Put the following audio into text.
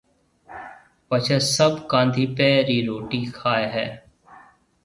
پڇيَ سڀ ڪانڌِيَپي رِي روٽِي کائيَ ھيََََ